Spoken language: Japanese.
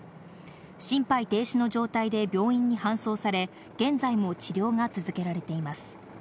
心肺停止の状態で病院に搬送され、現在も治療が続けられています。